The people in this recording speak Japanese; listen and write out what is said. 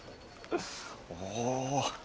おお。